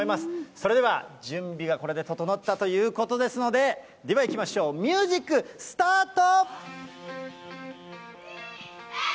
それでは準備がこれで整ったということですので、ではいきましょう、ミュージック、スタート。